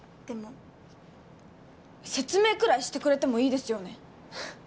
でも説明くらいしてくれてもいいですよね。